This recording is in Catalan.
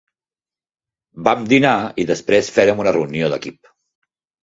Vam dinar i després férem una reunió d'equip.